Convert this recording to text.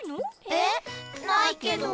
えっないけど。